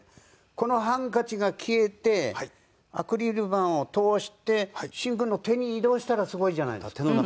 このハンカチが消えてアクリル板を通して審君の手に移動したらすごいじゃないですか。